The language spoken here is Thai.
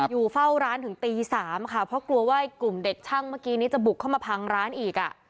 อยู่เฝ้าร้านถึงตี๓ค่ะเพราะกลัวว่ากลุ่มเด็กช่างเมื่อกี้นี้จะบุกเข้ามาพังร้านอีกอ่ะ